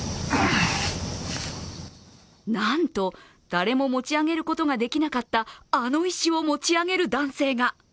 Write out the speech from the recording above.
なんと、誰も持ち上げることができなかった、あの石を持ち上げる男性が。